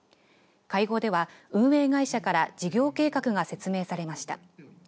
会合では、運営会社から事業計画が説明されました。